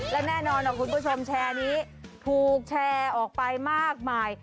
และแน่นอนนะคุณผู้ชมแชร์นี้ถูกแชร์ออกไปมากมาย